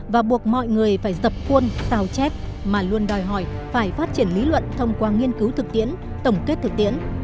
và buộc mọi người phải dập cuôn xào chép mà luôn đòi hỏi phải phát triển lý luận thông qua nghiên cứu thực tiễn tổng kết thực tiễn